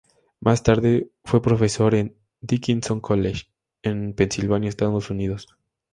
Más tarde, fue profesor en Dickinson College, en Pensilvania, Estados Unidos.